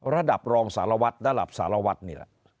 ระดับรองสารวัตรระดับสารวัฒน์นี่แหละ